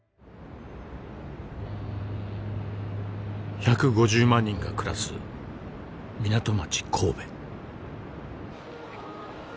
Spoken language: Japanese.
１５０万人が暮らす港町神戸。